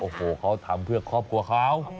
โอ้โหเขาทำเพื่อครอบครัวเขา